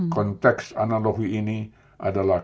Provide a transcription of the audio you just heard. konteks analogi ini adalah